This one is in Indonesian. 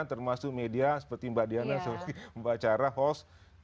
termasuk media seperti mbak diana seperti mbak cara host